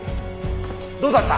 どうだった？